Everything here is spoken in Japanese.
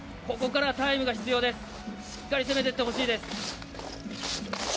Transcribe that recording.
ここからタイムが必要です。